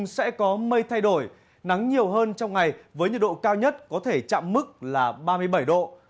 sẽ có mây thay đổi nắng nhiều hơn trong ngày với nhiệt độ cao nhất có thể chạm mức là ba mươi bảy độ